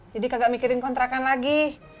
jadi kagak mikirin kontrakan lagi